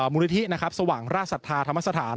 มูลนิธินะครับสวังราชศาสตร์ธรรมสถาน